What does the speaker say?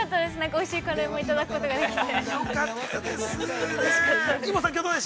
おいしいカレーもいただくことができて。